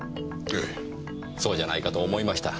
そうじゃないかと思いました。